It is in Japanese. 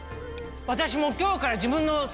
私も今日から自分の。